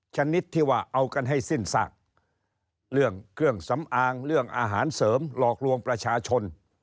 ชนิดที่ว่าเอากันให้สิ้นซากเรื่องเครื่องสำอางเรื่องอาหารเสริมหลอกลวงประชาชน